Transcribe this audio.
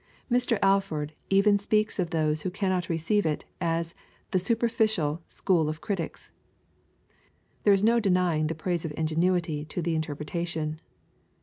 Mr. Alford even speaks of those who cannot receive it, as the superficial school of critics." There is no denying the praise of ingenuity to the interpretation.